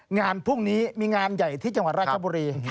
งานพรุ่งนี้มีงานใหญ่ที่จังหวัดราชบุรี